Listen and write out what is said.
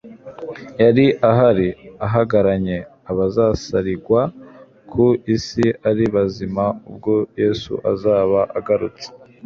yari ahari ahagaranye abazasarigwa ku isi ari bazima, ubwo Yesu azaba agarutse;